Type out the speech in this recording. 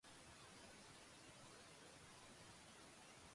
貴方は私の元からいなくなった。